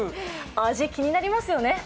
味、気になりますよね。